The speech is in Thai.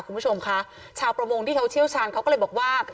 คุณผู้ชมคะชาวประมงที่เขาเชี่ยวชาญเขาก็เลยบอกว่า